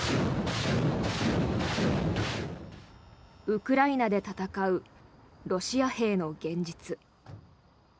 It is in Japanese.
ウクライナで戦うロシア兵の現実。